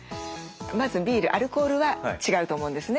まずビールアルコールは違うと思うんですね。